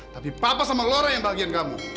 tapi papa sama lora yang bahagian kamu